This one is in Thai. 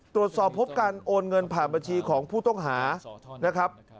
ตรวจสอบพบการโอนเงินผ่านบัญชีของผู้ต้องหานะครับ